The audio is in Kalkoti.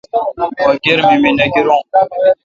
مہ گرمی می نہ گیروں۔